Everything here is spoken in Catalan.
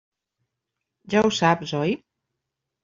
Ja ho saps, oi?